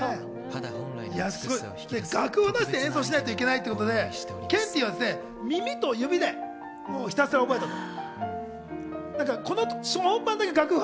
楽譜なしで演奏しなきゃいけないということで、ケンティーはですね、指と指でひたすら覚えたという。